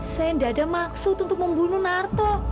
saya tidak ada maksud untuk membunuh narto